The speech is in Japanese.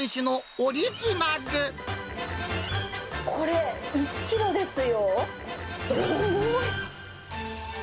これ、１キロですよ。